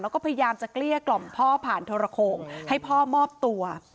แล้วก็พยายามจะเกลี้ยกล่อมพ่อผ่านโทรโขงให้พ่อมอบตัว